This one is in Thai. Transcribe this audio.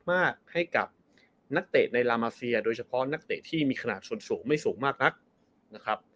มากให้กับนักเตะในลามาเซียโดยเฉพาะนักเตะที่มีขนาดส่วนสูงไม่สูงมากนักนะครับ